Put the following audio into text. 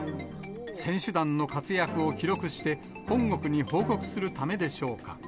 選手団の活躍を記録して、本国に報告するためでしょうか。